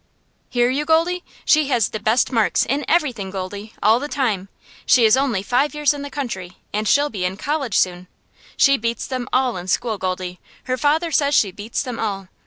"Hear you, Goldie? She has the best marks, in everything, Goldie, all the time. She is only five years in the country, and she'll be in college soon. She beats them all in school, Goldie her father says she beats them all.